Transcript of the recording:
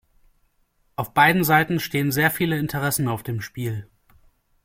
Auf beiden Seiten stehen sehr viele Interessen auf dem Spiel.